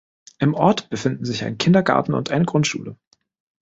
Im Ort befinden sich ein Kindergarten und eine Grundschule.